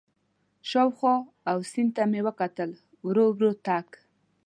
شاوخوا او سیند ته مې وکتل، ورو ورو تګ.